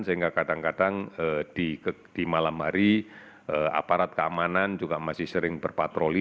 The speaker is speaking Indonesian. sehingga kadang kadang di malam hari aparat keamanan juga masih sering berpatroli